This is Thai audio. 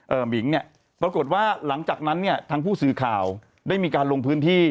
หมิงเนี่ยปรากฏว่าหลังจากนั้นเนี่ยทางผู้สื่อข่าวได้มีการลงพื้นที่